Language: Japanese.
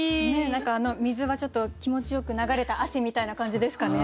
何か水はちょっと気持ちよく流れた汗みたいな感じですかね。